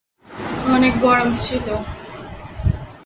অনেক গরম ছিল।